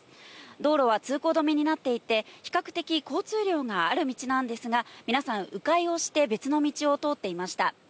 道路は通行止めになっていて、比較的、交通量がある道なんですが、皆さん、う回をして別の道を通っていました。